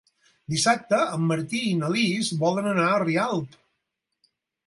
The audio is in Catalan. Dissabte en Martí i na Lis volen anar a Rialp.